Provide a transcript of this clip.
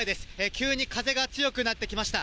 急に風が強くなってきました。